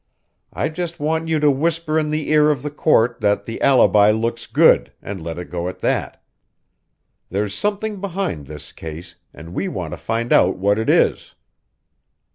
I just want you to whisper in the ear of the court that the alibi looks good, and let it go at that. There's something behind this case, and we want to find out what it is.